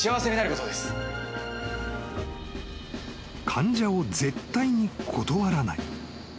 ［患者を絶対に断らない］